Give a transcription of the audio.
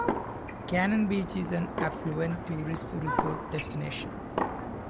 Cannon Beach is an affluent tourist resort destination.